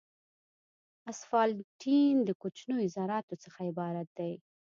اسفالټین د کوچنیو ذراتو څخه عبارت دی